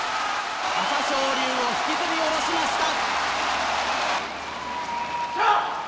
朝青龍を引きずり下ろしました。